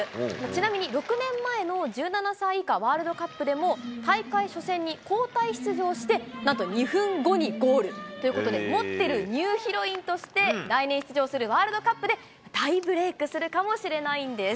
ちなみに６年前の１７歳以下ワールドカップでも大会初戦に交代出場して、なんと２分後にゴールということで、持っているニューヒロインとして、来年出場するワールドカップで大ブレークするかもしれないんです。